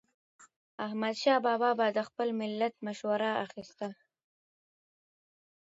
احمدشاه بابا به د خپل ملت مشوره اخیسته.